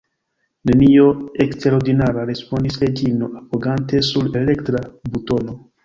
Nenio eksterordinara, respondis Reĝino, apogante sur elektra butono.